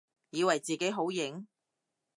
以為自己好型？